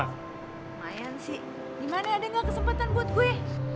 lumayan sih gimana ada nggak kesempatan buat gue